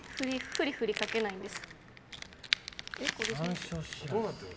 ふりふり、かけないんです。